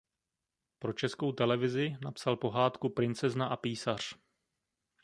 Pro Českou televizi napsal pohádku Princezna a písař.